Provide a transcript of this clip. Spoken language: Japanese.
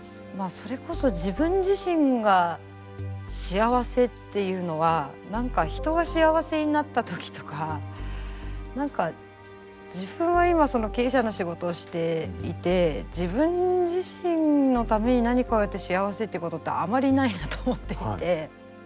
それこそ自分自身が幸せっていうのは何か人が幸せになった時とか自分は今経営者の仕事をしていて自分自身のために何かを得て幸せってことってあまりないなと思っていて。